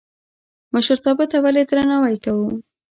مشرتابه ته ولې درناوی کوو؟